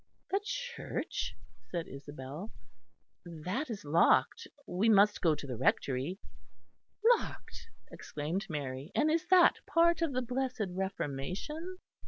"The church!" said Isabel, "that is locked: we must go to the Rectory." "Locked!" exclaimed Mary, "and is that part of the blessed Reformation?